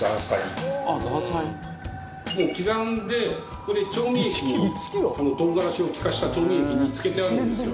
もう刻んで調味液に唐辛子を利かせた調味液に漬けてあるんですよ。